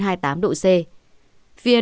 phía đông bắc